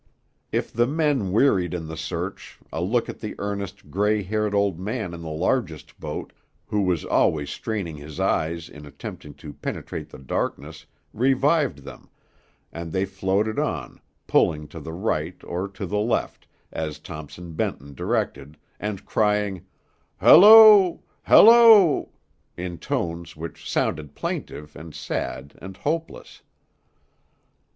If the men wearied in the search, a look at the earnest, gray haired old man in the largest boat, who was always straining his eyes in attempting to penetrate the darkness, revived them, and they floated on, pulling to the right or to the left, as Thompson Benton directed, and crying, "Halloo! Halloo!" in tones which sounded plaintive, and sad, and hopeless.